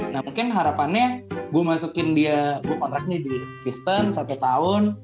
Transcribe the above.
nah mungkin harapannya gue masukin dia gue kontrak nih di kristen satu tahun